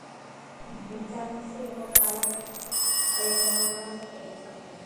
ბიძამისი იყო ქალაქ კლერმონის ეპისკოპოსი.